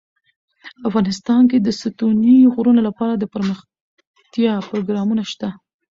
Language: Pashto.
افغانستان کې د ستوني غرونه لپاره دپرمختیا پروګرامونه شته.